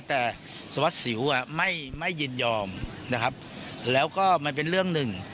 แต่สวัสดิสิวอ่ะไม่ไม่ยินยอมนะครับแล้วก็มันเป็นเรื่องหนึ่ง